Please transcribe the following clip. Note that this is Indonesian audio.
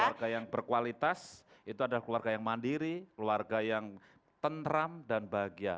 keluarga yang berkualitas itu adalah keluarga yang mandiri keluarga yang tentram dan bahagia